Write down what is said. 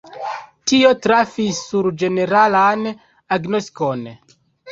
Tio trafis sur ĝeneralan agnoskon.